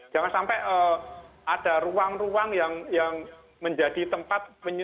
jangan sampai ada ruang ruang yang menjadi tempat